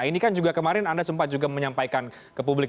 ini kan juga kemarin anda sempat juga menyampaikan ke publik